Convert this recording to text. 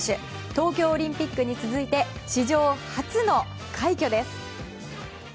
東京オリンピックに続いて史上初の快挙です。